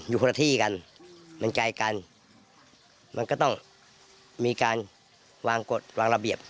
คนละที่กันมันไกลกันมันก็ต้องมีการวางกฎวางระเบียบ